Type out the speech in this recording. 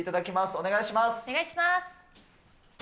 お願いします。